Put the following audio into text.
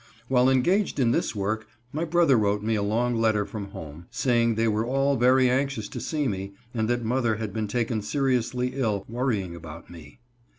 While engaged in this work my brother wrote me a long letter from home, saying they were all very anxious to see me and that mother had been taken seriously ill, worrying about me.